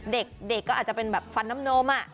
เด็กก็อาจจะเป็นแบบฟันน้ำนม